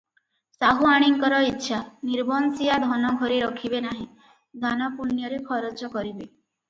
ସାହୁଆଣୀଙ୍କର ଇଚ୍ଛା, ନିର୍ବଂଶିଆ ଧନ ଘରେ ରଖିବେ ନାହିଁ, ଦାନପୁଣ୍ୟରେ ଖରଚ କରିବେ ।